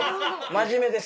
真面目です。